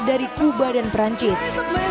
dari kuba dan perancis